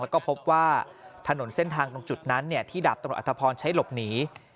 แล้วก็พบว่าถนนเส้นทางตรงจุดนั้นที่ดาบตำรวจอัธพรใช้หลบหนี